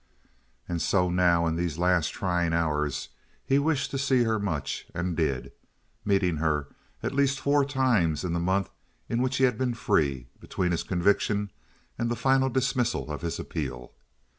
And so, now, in these last trying hours, he wished to see her much—and did—meeting her at least four times in the month in which he had been free, between his conviction and the final dismissal of his appeal.